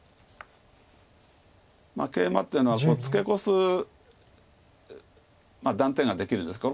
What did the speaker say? ケイマっていうのはツケコすまあ断点ができるんですけど。